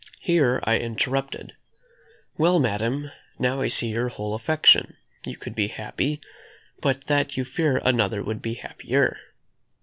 Here I interrupted: "Well, madam, now I see your whole affliction; you could be happy, but that you fear another would be happier.